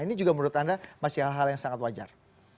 ini juga menurut anda masih hal hal yang sangat wajar